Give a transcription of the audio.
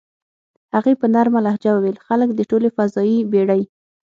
هغې په نرمه لهجه وویل: "خلک د ټولې فضايي بېړۍ.